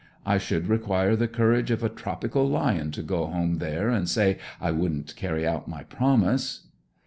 I should require the courage of a tropical lion to go home there and say I wouldn't carry out my promise!'